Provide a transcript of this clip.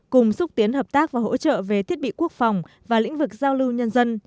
cùng xúc tiến hợp tác và hỗ trợ về thiết bị quốc phòng và lĩnh vực giao lưu nhân dân